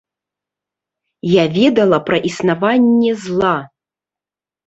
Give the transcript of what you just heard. Я ведала пра існаванне зла.